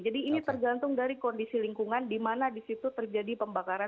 jadi ini tergantung dari kondisi lingkungan di mana di situ terjadi pembakaran